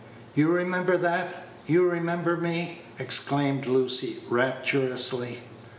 "You remember that! you remember me!" exclaimed Lucy, rapturously.